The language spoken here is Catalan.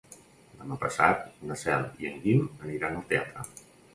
Demà passat na Cel i en Guim aniran al teatre.